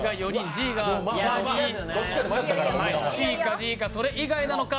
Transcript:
ＣかＧか、それ以外なのか。